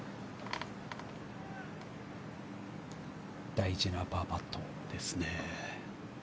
大事なパーパットですね。